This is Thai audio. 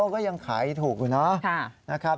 ก็ยังขายถูกนะนะครับ